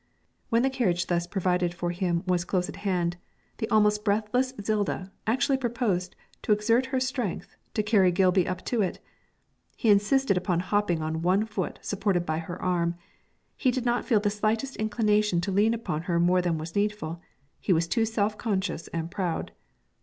When the carriage thus provided for him was close at hand, the almost breathless Zilda actually proposed to exert her strength to carry Gilby up to it. He insisted upon hopping on one foot supported by her arm; he did not feel the slightest inclination to lean upon her more than was needful, he was too self conscious and proud.